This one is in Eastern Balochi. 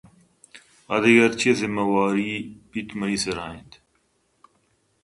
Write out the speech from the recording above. آدگہ ہرچی ءِ ذمہ واری ئے بیت منی سرا اِنت